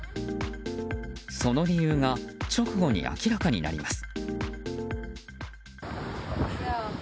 その理由が直後に明らかになります。